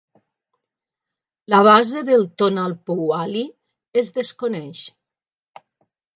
La base del "tonalpohualli" es desconeix.